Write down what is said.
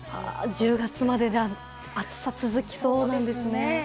１０月まで暑さは続きそうなんですね。